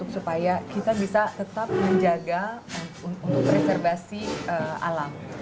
supaya kita bisa tetap menjaga untuk preservasi alam